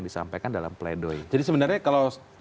disampaikan dalam pledoi jadi sebenarnya kalau